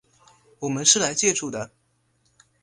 我们是来借住的